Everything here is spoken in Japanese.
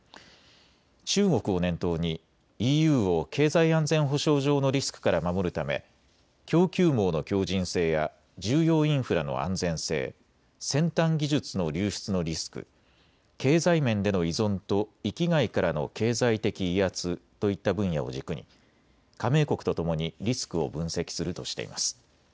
中国を念頭にＥＵを経済安全保障上のリスクから守るため供給網の強じん性や重要インフラの安全性、先端技術の流出のリスク、経済面での依存と域外からの経済的威圧といった分野を軸に加盟国とともにリスクを分析するとしています。